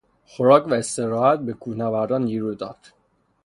خوراک و استراحت به کوهنوردان نیرو داد.